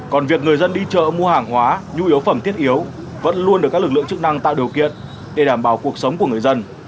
còn việc người dân đi chợ mua hàng hóa nhu yếu phẩm thiết yếu vẫn luôn được các lực lượng chức năng tạo điều kiện để đảm bảo cuộc sống của người dân